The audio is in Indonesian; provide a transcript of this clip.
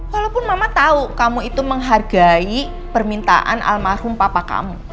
walaupun mama tahu kamu itu menghargai permintaan almarhum papa kamu